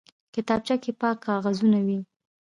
کتابچه کې پاک کاغذونه وي